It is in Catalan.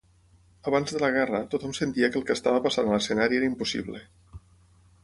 "Abans de la guerra, tothom sentia que el que estava passant a l'escenari era impossible.